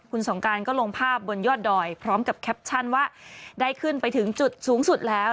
คุณสงการก็ลงภาพบนยอดดอยพร้อมกับแคปชั่นว่าได้ขึ้นไปถึงจุดสูงสุดแล้ว